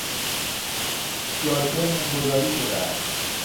جاده مین گذاری شده است.